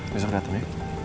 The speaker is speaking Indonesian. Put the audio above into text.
besok datang ya